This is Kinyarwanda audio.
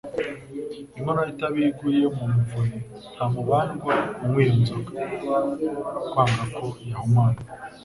Inkono y’itabi iyo yaguye mu muvure, nta mubandwa unywaiyo nzoga, kwanga ko yahumana